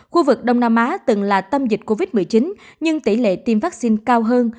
khu vực đông nam á từng là tâm dịch covid một mươi chín nhưng tỷ lệ tiêm vaccine cao hơn